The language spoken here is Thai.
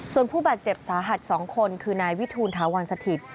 ส่วนผู้บาดเจ็บสาหัส๒คนคือนายวิทูลถาวรสถิต